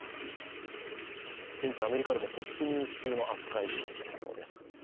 現地アメリカでもトップニュース級の扱いなんだそうです。